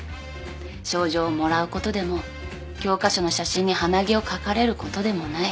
賞状をもらうことでも教科書の写真に鼻毛を描かれることでもない。